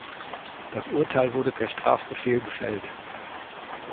Das Urteil wurde per Strafbefehl gefällt.